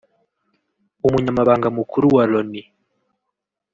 Umunyamabanga mukuru wa Loni